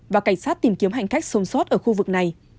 và cảnh sát tìm kiếm hành khách sông sót ở khu vực này